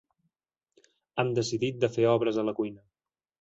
Han decidit de fer obres a la cuina.